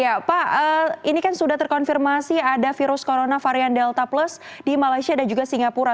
ya pak ini kan sudah terkonfirmasi ada virus corona varian delta plus di malaysia dan juga singapura